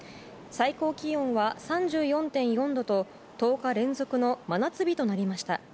最高気温は３４．４度と１０日連続の真夏日となりました。